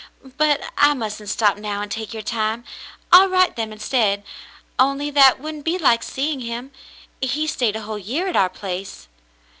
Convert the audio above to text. But I mustn't stop now and take your time. I'll write them instead, only that wouldn't be like seeing him. He stayed a whole year at our place."